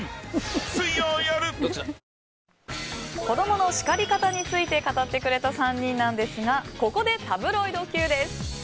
子供の叱り方について語ってくれた３人なんですがここでタブロイドＱです。